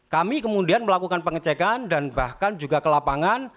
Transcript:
kami kemudian melakukan pengecekan dan bahkan juga ke lapangan